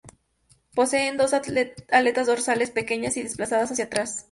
Poseen dos aletas dorsales, pequeñas y desplazadas hacia atrás.